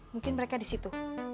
tante merry aku mau ke rumah